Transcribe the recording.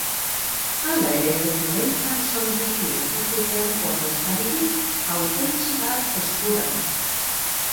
Hala ere, Leitzan soilik lortu zuten ordezkaririk, hautetsi bat eskuratuz.